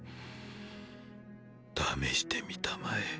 試してみたまえ。